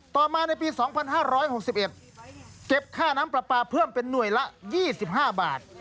ต่อมาในปีสองพันห้าร้อยหกสิบเอ็ดเก็บค่าน้ำปลาปลาเพิ่มเป็นหน่วยละยี่สิบห้าบาท